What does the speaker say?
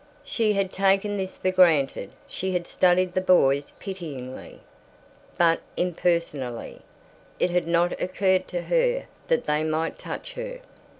She had taken this for granted. She had studied the boys pityingly, but impersonally. It had not occurred to her that they might touch her.